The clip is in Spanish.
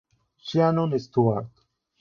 Shannon Stewart